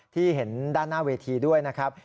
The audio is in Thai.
ที่เห็นด้านหน้าเวทีด้วยนะครับ